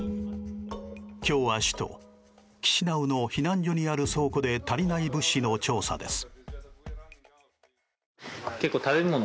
今日は首都キシナウの避難所にある倉庫で足りない物資の調査です。